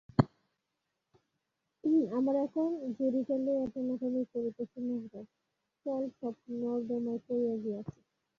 আমরা এখন ঝুড়িটা লইয়া টানাটানি করিতেছি মাত্র, ফল সব নর্দমায় পড়িয়া গিয়াছে।